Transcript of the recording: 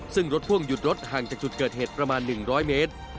ซึ่งรถพ่วงหยุดรถห่างจากจุดเกิดเหตุประมาณ๑๐๐เมตร